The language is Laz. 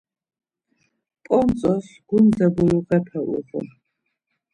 Pontzos gunze buyuğepe uğun.